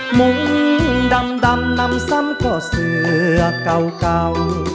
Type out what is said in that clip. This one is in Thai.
หมุ่งดำดำนำซ้ำก่อเสือเก่าเก่า